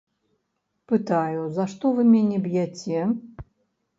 Пытаю, за што вы мяне б'яце?